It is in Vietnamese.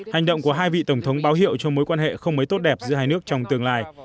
hành động của hai vị tổng thống báo hiệu cho mối quan hệ không mới tốt đẹp giữa hai nước trong tương lai